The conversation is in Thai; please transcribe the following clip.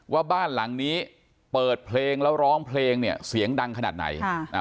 ว่าบ้านหลังนี้เปิดเพลงแล้วร้องเพลงเนี่ยเสียงดังขนาดไหนค่ะอ่า